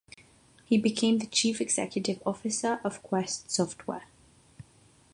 He became the Chief Executive Officer of Quest Software.